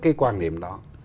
cái quan điểm đó